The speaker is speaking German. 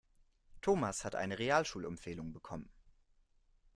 Thomas hat eine Realschulempfehlung bekommen.